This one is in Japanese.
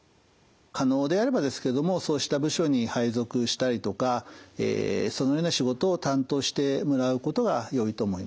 可能であればですけどもそうした部署に配属したりとかそのような仕事を担当してもらうことがよいと思います。